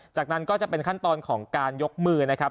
จากนั้นก็จะเป็นขั้นตอนของการยกมือนะครับ